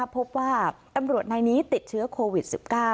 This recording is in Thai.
พบว่าตำรวจนายนี้ติดเชื้อโควิด๑๙